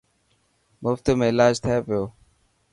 مفت ۾ الاج ٿي پيو.